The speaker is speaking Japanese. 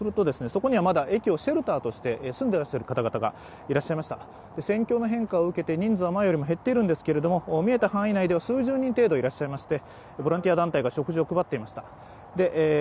そこにはまだ駅をシェルターとして住んでらっしゃる方々がいらっしゃいました戦況の変化を受けて人数は前よりも減っているんですけれども、見えた範囲内では数十人程度いらっしゃいまして。